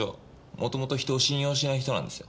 元々人を信用しない人なんですよ。